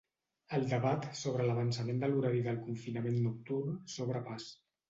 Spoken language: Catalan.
El debat sobre l’avançament de l’horari del confinament nocturn s’obre pas.